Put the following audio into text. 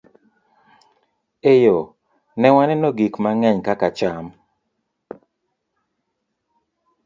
E yo ne waneno gik mang'eny kaka cham